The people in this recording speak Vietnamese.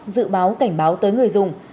dự báo cảnh báo tới người dùng